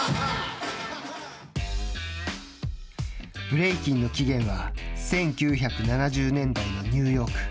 ブレイキンの起源は１９７０年代のニューヨーク。